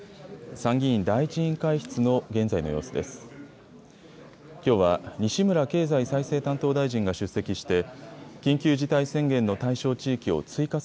参議院第１委員会室の現在の様子です。